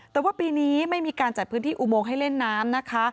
แต่ว่าปีนี้ไม่มีการจัดพื้นที่อุโมงให้เล่นน้ำนะคะ